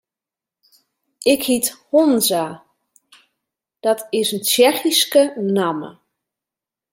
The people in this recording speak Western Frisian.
Ik hyt Honza, dat is in Tsjechyske namme.